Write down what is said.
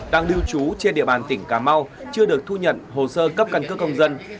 đang lưu trú trên địa bàn tỉnh cà mau chưa được thu nhận hồ sơ cấp căn cước công dân